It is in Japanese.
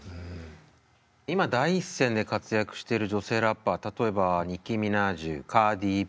今第一線で活躍してる女性ラッパー例えばニッキー・ミナージュカーディ・Ｂ